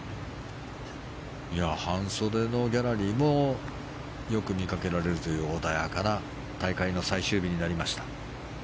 半袖のギャラリーもよく見かけられるという穏やかな大会の最終日になりました。